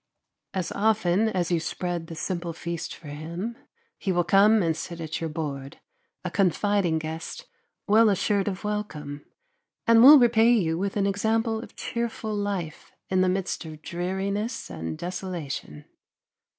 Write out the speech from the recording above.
As often as you spread the simple feast for him he will come and sit at your board, a confiding guest, well assured of welcome, and will repay you with an example of cheerful life in the midst of dreariness and desolation.